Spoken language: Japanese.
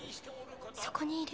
そこにいる？